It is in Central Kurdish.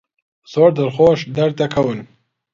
زۆر دڵخۆش دەردەکەون.